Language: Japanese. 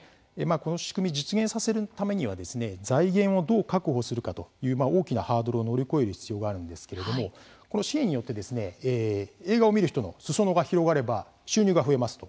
この仕組み、実現させるためには財源を、どう確保するかという大きなハードルを乗り越える必要があるんですけれどもこれ支援によって映画を見る人のすそ野が広がれば収入が増えますと。